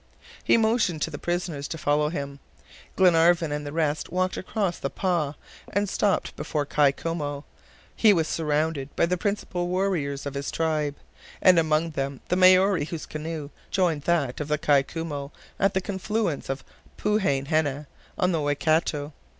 He motioned to the prisoners to follow him. Glenarvan and the rest walked across the "pah" and stopped before Kai Koumou. He was surrounded by the principal warriors of his tribe, and among them the Maori whose canoe joined that of the Kai Koumou at the confluence of Pohain henna, on the Waikato.